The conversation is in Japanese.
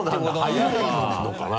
速いのかな？